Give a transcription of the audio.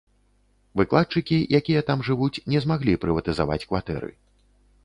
Выкладчыкі, якія там жывуць, не змаглі прыватызаваць кватэры.